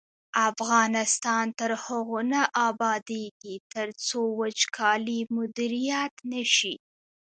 افغانستان تر هغو نه ابادیږي، ترڅو وچکالي مدیریت نشي.